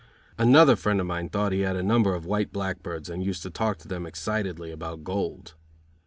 Another friend of mine thought he had a number of white blackbirds and used to talk to them excitedly about gold.